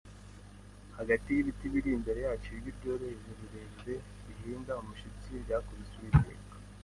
hagati y'ibiti biri imbere yacu, ijwi ryoroheje, rirerire, rihinda umushyitsi ryakubise Uwiteka